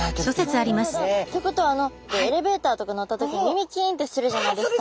なるほど！ってことはあのエレベーターとか乗った時に耳キンってするじゃないですか。